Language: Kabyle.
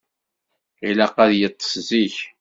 Ilaq ad yeṭṭes zik.